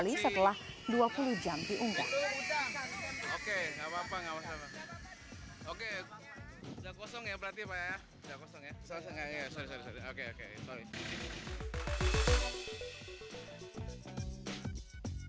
video video penurunan durian dikeluarkan dari pesawat